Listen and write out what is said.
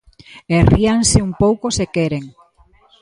E ríanse un pouco se queren.